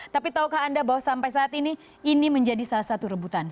tapi tahukah anda bahwa sampai saat ini ini menjadi salah satu rebutan